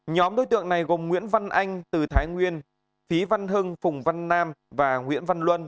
nhóm đối tượng này gồm nguyễn văn anh từ thái nguyên phí văn hưng phùng văn nam và nguyễn văn luân